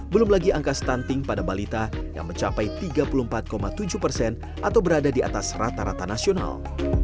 belum lagi angka stunting pada balita yang mencapai tiga puluh empat tujuh persen atau berada di atas rata rata nasional